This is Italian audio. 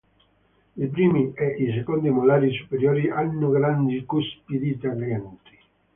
I primi e i secondi molari superiori hanno grandi cuspidi taglienti.